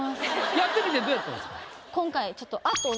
やってみてどうやったんですか？